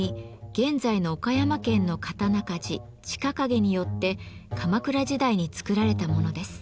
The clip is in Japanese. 現在の岡山県の刀鍛冶近景によって鎌倉時代に作られたものです。